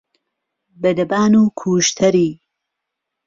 بە دەبان و کوژتەری